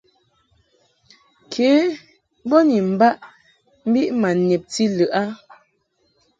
Ke bo ni mbaʼ mbiʼ ma nebti lɨʼ a.